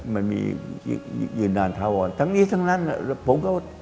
มันมียืนด่านทะวอนทั้งนี้ทั้งนั้นผมก็